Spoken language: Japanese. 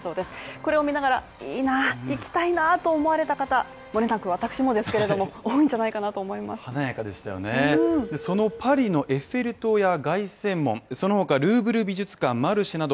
これを見ながらいいな行きたいなと思われた方ももちろん私もですけれども、多いんじゃないかなと思いますパリのエッフェル塔や凱旋門その他ルーブル美術館もあるなど